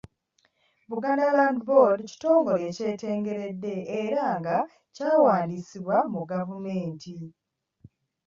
Buganda Land Board kitongole ekyetengeredde era nga kyawandiisibwa mu gavumenti.